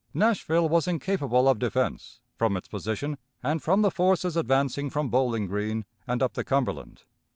Nashville was incapable of defense, from its position, and from the forces advancing from Bowling Green and up the Cumberland.